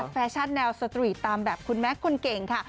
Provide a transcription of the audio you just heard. แฟชั่นแนวสตรีทตามแบบคุณแม่คนเก่งค่ะ